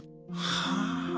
はあ。